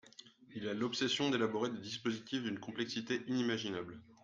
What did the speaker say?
Il a l’obsession d’élaborer des dispositifs d’une complexité inimaginable.